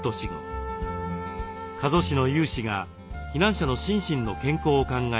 加須市の有志が避難者の心身の健康を考え